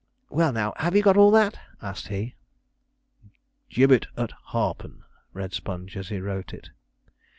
Well, now, have you got all that?' asked he. '"Gibbet at Harpen,"' read Sponge, as he wrote it.